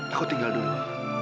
aku tinggal dulu